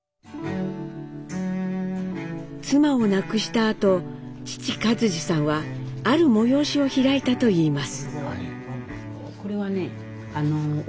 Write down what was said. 妻を亡くしたあと父克爾さんはある催しを開いたといいます。